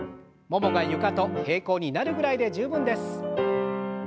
ももが床と平行になるぐらいで十分です。